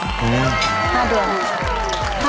๕เดือน